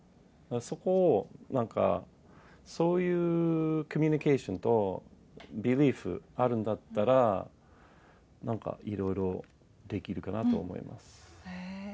そこをなんか、そういうコミュニケーションと、ビリーブあるんだったら、なんか、いろいろできるかなと思います。